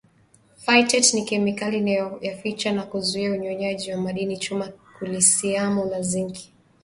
Phytate ni kemikali inayoyaficha na kuzuia unyonyaji wa madini chuma kalisiamu na zinki